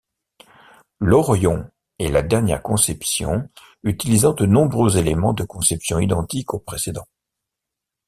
L'Orion est la dernière conception utilisant de nombreux éléments de conception identiques aux précédents.